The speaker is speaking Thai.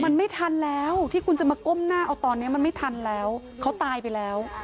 มันไม่ทันแล้วที่คุณจะมาก้มหน้าเอาตอนนี้มันไม่ทันแล้วเขาตายไปแล้ว